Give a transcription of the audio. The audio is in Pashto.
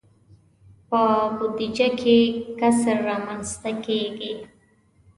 په بودجه کې کسر رامنځته کیږي.